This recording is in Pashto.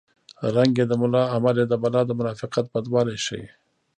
رنګ یې د ملا عمل یې د بلا د منافقت بدوالی ښيي